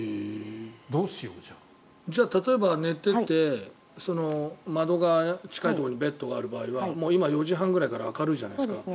例えば寝てて窓側に近いところにベッドがある場合は今、４時半くらいから明るいじゃないですか。